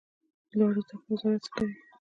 لوړو زده کړو وزارت څه کوي؟